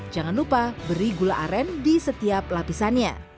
jangan lupa beri gula aren di setiap lapisannya